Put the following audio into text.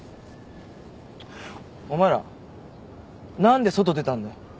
お前ら何で外出たんだよ。